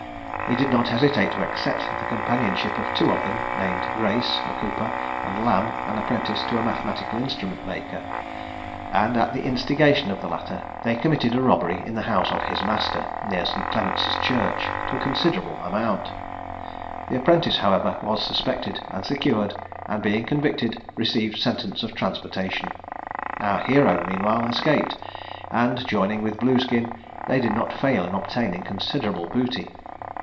He did not hesitate to accept the companionship of two of them, named Grace, a cooper, and Lamb, an apprentice to a mathematical instrument maker; and at the instigation of the latter they committed a robbery in the house of his master, near St. Clement's church, to a considerable amount. The apprentice, however, was suspected, and secured, and being convicted, received sentence of transportation. Our hero meanwhile escaped, and joining with Blueskin, they did not fail in obtaining considerable booty.